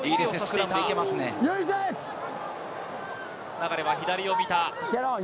流は左を見た。